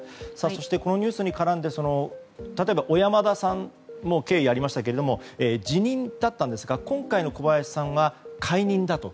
このニュースに絡んで例えば小山田さんも経緯がありましたが辞任だったんですが今回の小林さんは解任だと。